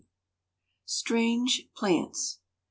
_ STRANGE PLANTS.